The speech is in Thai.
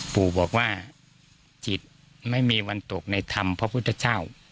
ปู่บอกว่าจิตไม่มีวันตกในธรรมพระพุทธเจ้า